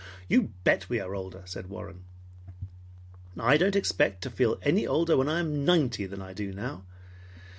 "You bet we are older!" said Warren. "I don't expect to feel any older when I am ninety than I do now.